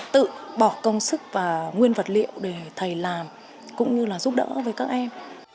tự bỏ công sức và nguyên vật liệu để thầy làm cũng như là giúp đỡ với các em